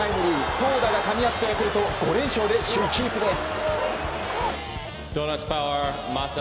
投打がかみ合ったヤクルト５連勝で首位キープです。